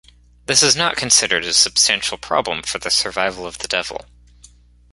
This is not considered a substantial problem for the survival of the devil.